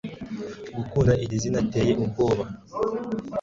Gukunda iri zina riteye ubwoba